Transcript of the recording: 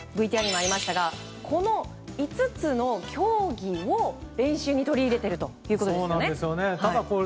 ＶＴＲにもありましたがこの５つの競技を練習に取り入れているということです。